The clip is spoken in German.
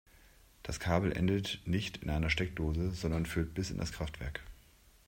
Das Kabel endet nicht in einer Steckdose, sondern führt bis in das Kraftwerk.